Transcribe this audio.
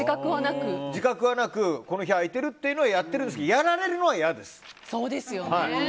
自覚はなくこの日空いてる？ってやっているんですがやられるのは嫌です。